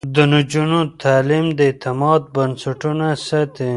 د نجونو تعليم د اعتماد بنسټونه ساتي.